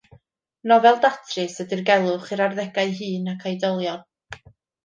Nofel datrys a dirgelwch i'r arddegau hŷn ac oedolion.